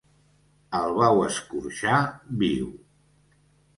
El vau escorxar viu.